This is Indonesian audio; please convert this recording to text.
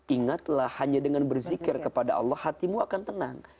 ingatlah hanya dengan berzikir kepada allah hatimu akan tenang